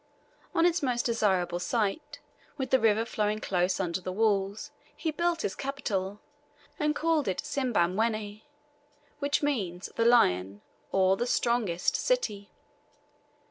On its most desirable site, with the river flowing close under the walls, he built his capital, and called it Simbamwenni, which means "The Lion," or the strongest, City.